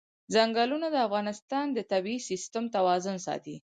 ځنګلونه د افغانستان د طبعي سیسټم توازن ساتي.